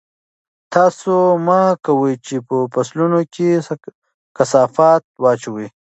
تاسو مه کوئ چې په فصلونو کې کثافات واچوئ.